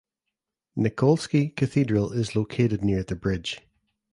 Nikolsky Cathedral is located near the bridge.